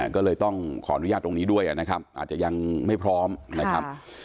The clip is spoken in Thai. ก็เลยต้องขออนุญาตตรงนี้ด้วยนะครับอาจจะยังไม่พร้อมนะครับ